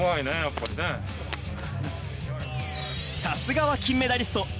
さすがは金メダリスト。